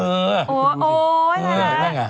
โอ้ยอะไรละ